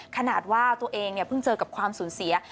ขนาดว่าตัวเองเพิ่งเจอกับความสูญเสีย